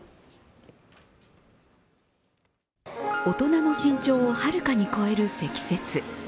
大人の身長をはるかに超える積雪。